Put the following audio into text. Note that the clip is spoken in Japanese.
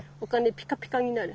ピカピカになる。